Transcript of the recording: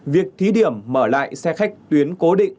việc thí điểm mở lại xe khách tuyến cố định